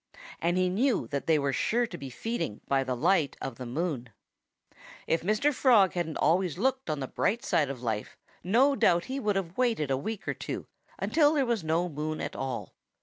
And he knew that they were sure to be feeding by the light of the moon. If Mr. Frog hadn't always looked on the bright side of life no doubt he would have waited a week or two, until there was no moon at all.